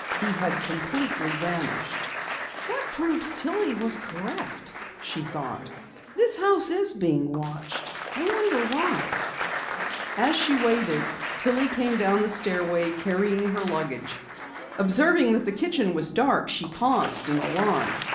He had vanished completely. "That proves that Tillie was correct," she thought. "This house is being watched. I wonder why." As she waited, Tillie came down the stairway, carrying her luggage. Observing that the kitchen was dark, she paused in alarm.